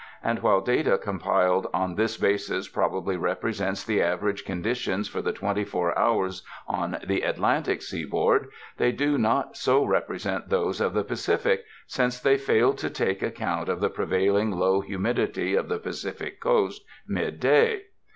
and while data compiled on this basis probably represent the average conditions for the twenty four hours on the Atlantic seaboard, they do not so represent those of the Pacific, since tliey fail to take account of the prevailing low humidity of the Pacific Coast mid day.